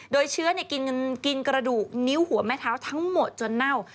โดยเชื้อกินกระดูกนิ้วหัวแม่เท้าทั้งหมดจนเน่า